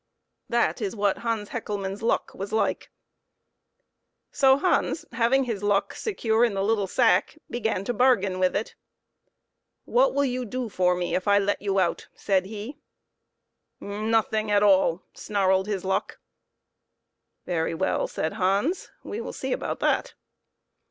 That is what Hans Hecklemann's luck was like. 66 PEPPER AND SALT. So Hans having his luck secure in the little sack began to bargain with it. "What will you do for me if I let you out ?" said he. " Nothing at all," snarled his luck. "Very well," said Hans, "we will see about that."